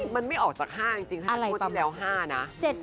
มันไม่ออกจาก๕จริงค่ะถูกว่าที่แล้ว๕นะ